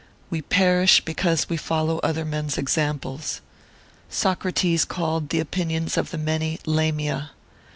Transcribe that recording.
We perish because we follow other men's examples.... Socrates called the opinions of the many Lamiæ.